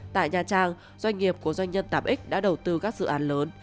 tại nha trang doanh nghiệp của doanh nhân tám x đã đầu tư các dự án lớn